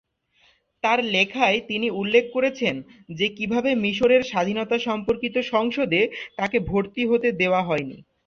তার লেখায় তিনি উল্লেখ করেছেন যে কীভাবে মিশরের স্বাধীনতা সম্পর্কিত সংসদে তাকে ভর্তি হতে দেওয়া হয়নি।